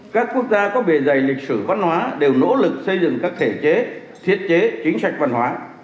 các quốc gia có bề dày lịch sử văn hóa đều nỗ lực xây dựng các thể chế thiết chế chính sách văn hóa